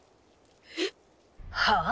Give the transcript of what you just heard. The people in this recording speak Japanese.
えっ？はあ？